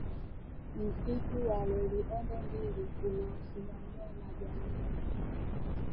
Msitu wa Loliondo mbili unaosimamiwa na jamii